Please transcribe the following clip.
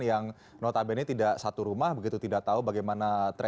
yang notabene tidak satu rumah begitu tidak tahu bagaimana